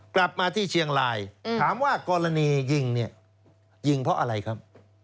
กลับมาที่เชียงรายถามว่ากรณียิงเนี่ยยิงเพราะอะไรครับ